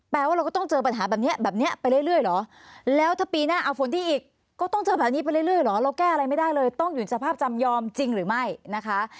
แปลว่าเราก็ต้องเจอปัญหาแบบนี้แบบนี้ไปเรื่อยเหรอแล้วถ้าปีหน้าเอาฝนดีอีกก็ต้องเจอแบบนี้ไปเรื่อยเหรอเราแก้อะไรไม่ได้เลยต้องอยู่ในสภาพจำยอมจริงหรือไม่นะคะ